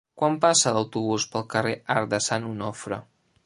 Quan passa l'autobús pel carrer Arc de Sant Onofre?